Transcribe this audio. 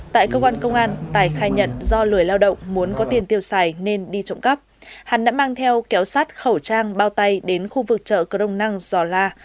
tại cơ quan công an tài khai nhận do lười lao động muốn có tiền tiêu xài nên đi trộm cắp hắn đã mang theo kéo sát khẩu trang bao tay đến khu vực chợ crong năng giò la